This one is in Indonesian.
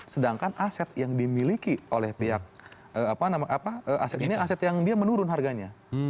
sedangkan aset yang dimiliki oleh pihak apa namanya aset yang dia menurun harganya